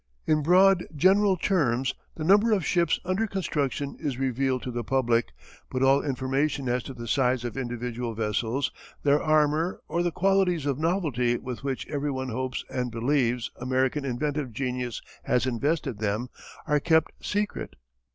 In broad general terms the number of ships under construction is revealed to the public, but all information as to the size of individual vessels, their armour or the qualities of novelty with which every one hopes and believes American inventive genius has invested them, are kept secret.